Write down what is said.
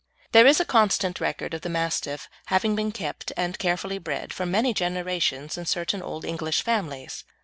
There is constant record of the Mastiff having been kept and carefully bred for many generations in certain old English families.